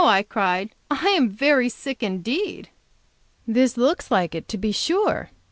I cried. "I am very sick indeed." "This looks like it, to be sure!"